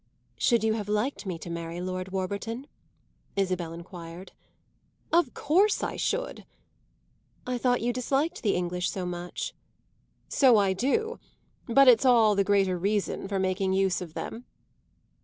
"Should you have liked me to marry Lord Warburton?" Isabel enquired. "Of course I should." "I thought you disliked the English so much." "So I do; but it's all the greater reason for making use of them."